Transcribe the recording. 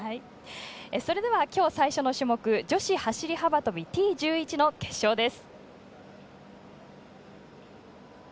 それでは今日最初の種目女子走り幅跳びＴ１１の決勝です。